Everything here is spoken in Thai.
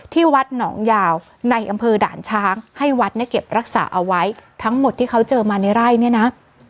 ที่วัดหนองยาวในอำเภอด่านช้างให้วัดเนี่ยเก็บรักษาเอาไว้ทั้งหมดที่เขาเจอมาในไร่เนี่ยนะ